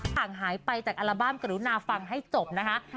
ห่างหายไปจากอัลบั้มกรุณาฟังให้จบนะคะ